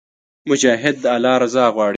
مجاهد د الله رضا غواړي.